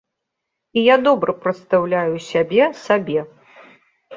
І я добра прадстаўляю сябе сабе.